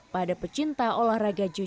pada pecinta olahraga jiu jitsu